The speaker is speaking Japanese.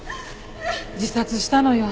自殺したのよ。